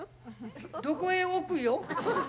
どこへ置くよ？